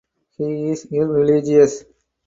He is irreligious.